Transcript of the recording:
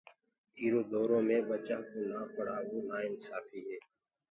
ايٚرو دورو مي ٻچآنٚ ڪو نآ پڙهآوو نآ انسآڦيٚ هي